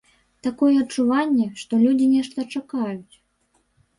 Такое адчуванне, што людзі нешта чакаюць.